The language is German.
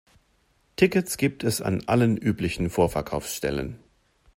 Tickets gibt es an allen üblichen Vorverkaufsstellen.